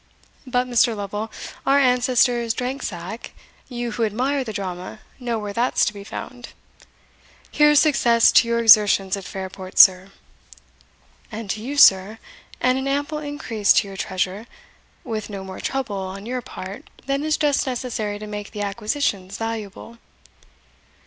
But, Mr. Lovel, our ancestors drank sack you, who admire the drama, know where that's to be found. Here's success to your exertions at Fairport, sir!" "And to you, sir, and an ample increase to your treasure, with no more trouble on your part than is just necessary to make the acquisitions valuable."